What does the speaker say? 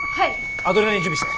アドレナリン準備して。